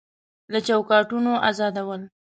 له چوکاټونو ازادول